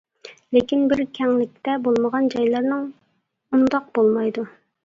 لېكىن بىر كەڭلىكتە بولمىغان جايلارنىڭ ئۇنداق بولمايدۇ.